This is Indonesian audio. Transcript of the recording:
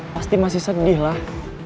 pasti masih sedih lah